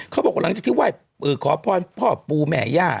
เขาบอกว่าหลังจากที่ไหว้เออขอพรพ่อปูแม่ย่า